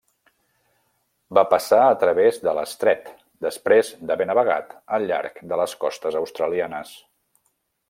Va passar a través de l'estret després d'haver navegat al llarg de les costes australianes.